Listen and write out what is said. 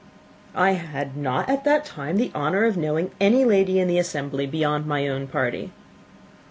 "I had not at that time the honour of knowing any lady in the assembly beyond my own party."